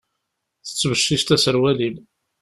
Tettbecciceḍ aserwal-im.